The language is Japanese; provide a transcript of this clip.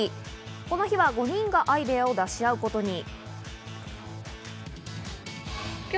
この日は５人がアイデアを出し合うことに。